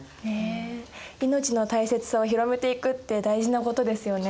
命の大切さを広めていくって大事なことですよね。